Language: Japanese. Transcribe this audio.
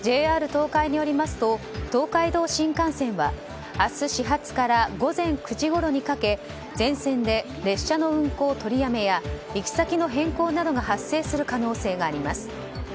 ＪＲ東海によりますと東海道新幹線は明日始発から午前９時ごろにかけ全線で列車の運行取りやめや行き先の変更などが発生する可能性があります。